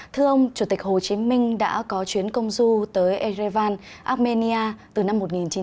thưa ông chủ tịch hồ chí minh đã có chuyến công du tới erevan armenia từ năm một nghìn chín trăm chín mươi